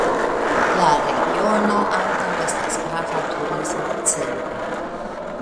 La regiono ankaŭ estas grava turisma celo.